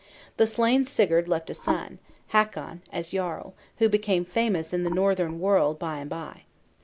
The slain Sigurd left a son, Hakon, as Jarl, who became famous in the northern world by and by.